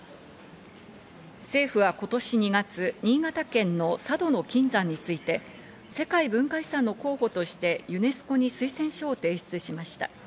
政府は今年２月、新潟県の佐渡島の金山について、世界文化遺産の候補としてユネスコに推薦書を提出しました。